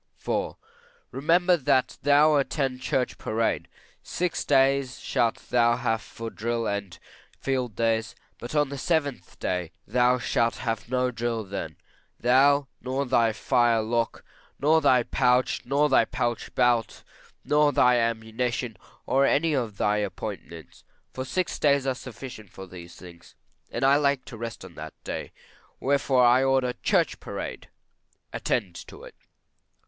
IV. Remember that thou attend church parade. Six days shalt thou have for drill and field days; but on the seventh day thou shalt have no drill, thou, nor thy fire lock, nor thy pouch, nor thy pouch belt, nor thy ammunition, or any of thy appointments: for six days are sufficient for these things, and I like to rest on that day; wherefore I order church parade attend to it.